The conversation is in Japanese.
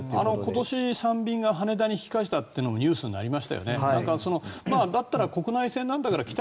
今年３便が羽田に引き返したということでニュースになりましたよね。